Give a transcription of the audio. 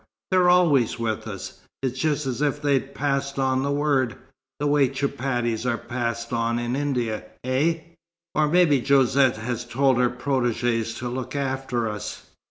They're always with us. It's just as if they'd passed on word, the way chupatties are passed on in India, eh? Or maybe Josette has told her protegées to look after us."